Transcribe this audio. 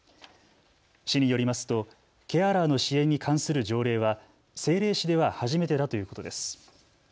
市によりますとケアラーの支援に関する条例は政令市では初めてだということです。